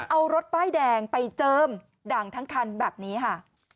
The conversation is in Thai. เอารถใบดงไปเจิมด่างทั้งคันแบบนี้ฮะ